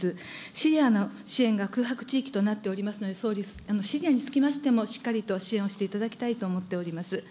シリアの支援が空白地域となっておりますので、総理、シリアにつきましても、しっかりと支援をしていただきたいと思っております。